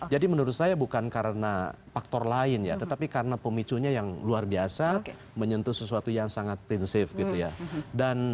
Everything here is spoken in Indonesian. jadi menurut saya bukan karena faktor lain ya tetapi karena pemicunya yang luar biasa menyentuh sesuatu yang sangat prinsip gitu ya